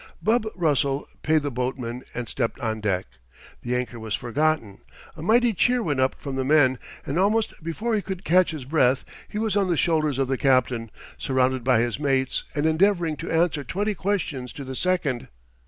Bub Russell paid the boatman and stepped on deck. The anchor was forgotten. A mighty cheer went up from the men, and almost before he could catch his breath he was on the shoulders of the captain, surrounded by his mates, and endeavoring to answer twenty questions to the second.